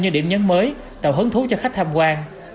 những địa điểm nhấn mới tạo hứng thú cho khách tham quan